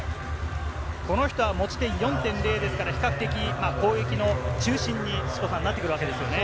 この人は持ち点４．０ですが、比較的攻撃の中心になってくるわけですね。